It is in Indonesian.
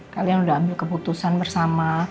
kalian sudah ambil keputusan bersama